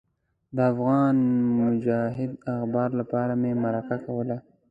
د افغان مجاهد اخبار لپاره مې مرکه کوله.